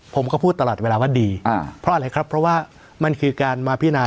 ผมก็พูดตลอดเวลาว่าดีเพราะอะไรครับเพราะว่ามันคือการมาพินา